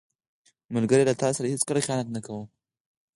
ملګری له تا سره هیڅکله خیانت نه کوي